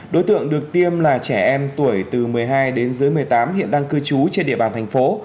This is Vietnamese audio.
đối tượng được tiêm là trẻ em tuổi từ một mươi hai đến dưới một mươi tám hiện đang cư trú trên địa bàn thành phố